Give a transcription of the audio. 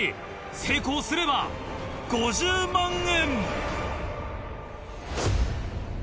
成功すれば５０万円。